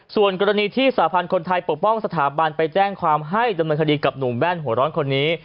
ส่วนกรณีที่สาพันธ์คนไทยปกป้องสถาบันไปแจ้งความให้ดำเนินคดีกับหนุ่มแว่นหัวร้อนคนนี้